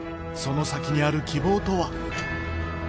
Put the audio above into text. その先にある希望とは？